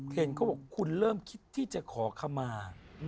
เห็นเขาบอกคุณเริ่มคิดที่จะขอขมา